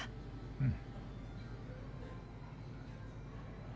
うん。